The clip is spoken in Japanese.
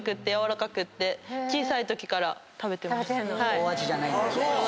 大味じゃないんだよね。